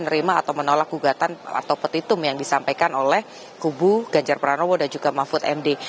menerima atau menolak gugatan atau petitum yang disampaikan oleh kubu ganjar pranowo dan juga mahfud md